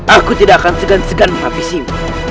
aku tidak akan segan segan menghabisimu